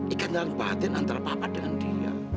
ikatan kebahagiaan antara papa dengan dia